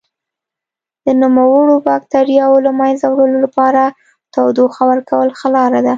د نوموړو بکټریاوو له منځه وړلو لپاره تودوخه ورکول ښه لاره ده.